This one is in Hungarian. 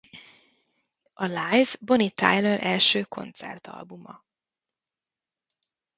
A Live Bonnie Tyler első koncertalbuma.